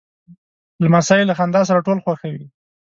لمسی له خندا سره ټول خوښوي.